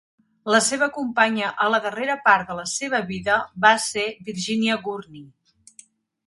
La seva companya a la darrera part de la seva vida va ser Virginia Gurnee.